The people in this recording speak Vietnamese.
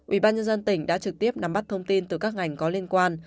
ubnd tỉnh đã trực tiếp nắm bắt thông tin từ các ngành có liên quan